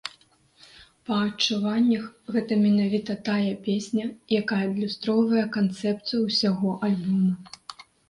Па адчуваннях, гэта менавіта тая песня, якая адлюстроўвае канцэпцыю ўсяго альбома.